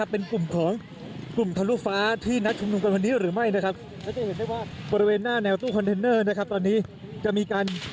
เป็นกลุ่มทรฤษฐรุษฟ้าที่รอชมหรือไม่